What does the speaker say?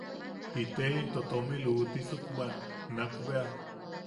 Ite into tomi luʼutisuk bwan nakbea.